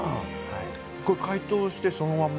これ解凍してそのまま？